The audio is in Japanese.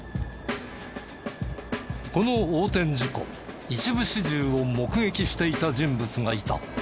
この横転事故一部始終を目撃していた人物がいた。